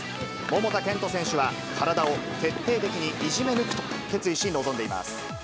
桃田賢斗選手は、体を徹底的にいじめ抜くと決意し、臨んでいます。